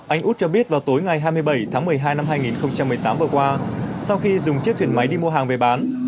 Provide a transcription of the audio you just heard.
anh út cho biết vào tối ngày hai mươi bảy tháng một mươi hai năm hai nghìn một mươi tám vừa qua sau khi dùng chiếc thuyền máy đi mua hàng về bán